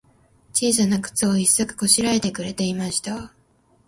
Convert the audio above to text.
ちいさなくつを、一足こしらえてくれていました。